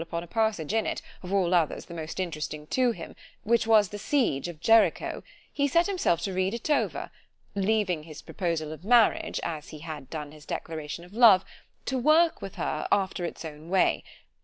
upon a passage in it, of all others the most interesting to him—which was the siege of Jericho—he set himself to read it over—leaving his proposal of marriage, as he had done his declaration of love, to work with her after its own way.